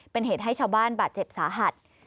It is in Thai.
เป็นเหตุให้ชาวบ้านบาดเจ็บสาหัส